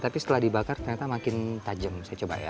tapi setelah dibakar ternyata makin tajam saya coba ya